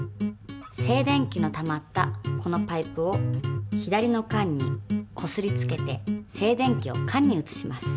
静電気のたまったこのパイプを左の缶にこすりつけて静電気を缶に移します。